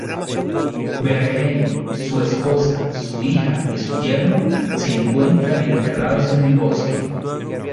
Bernheim, su esposa, su hija, y su yerno se encuentran enterrados en el bosque.